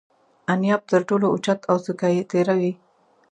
انیاب تر ټولو اوچت او څوکه یې تیره وي.